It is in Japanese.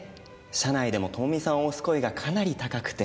社内でも友美さんを推す声がかなり高くて。